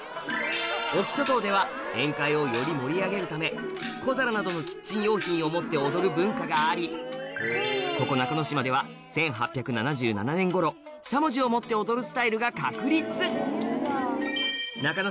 隠岐諸島では宴会をより盛り上げるため小皿などのキッチン用品を持って踊る文化がありここ中ノ島では１８７７年頃しゃもじを持って踊るスタイルが確立中ノ